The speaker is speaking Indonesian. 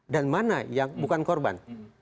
dan mana yang bukan korban